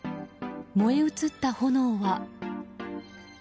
燃え移ったの炎は。